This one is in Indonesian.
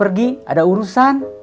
pergi ada urusan